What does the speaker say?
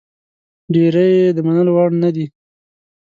ډېرې یې د منلو وړ نه دي.